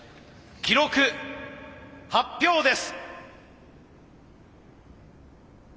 記録発表です。